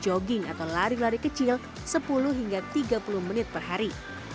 lalu jalan kaki jalan atau lari lari kecil sepuluh hingga tiga puluh menit per hari